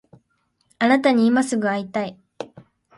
あなたに今すぐ会いたい